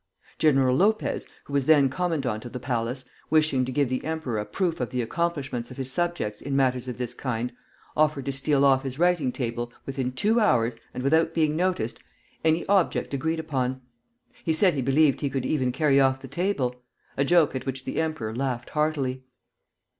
General Lopez, who was then commandant of the palace, wishing to give the emperor a proof of the accomplishments of his subjects in matters of this kind, offered to steal off his writing table, within two hours, and without being noticed, any object agreed upon. He said he believed he could even carry off the table, a joke at which the emperor laughed heartily.